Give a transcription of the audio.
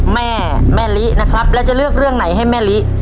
แม่แม่ลินะครับแล้วจะเลือกเรื่องไหนให้แม่ลิ